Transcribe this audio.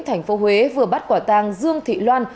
thành phố huế vừa bắt quả tàng dương thị loan